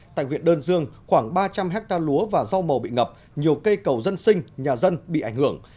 tại huyện đơn dương khoảng ba trăm linh hectare lúa và rau màu bị ngập nhiều cây cầu dân sinh nhà dân bị ảnh hưởng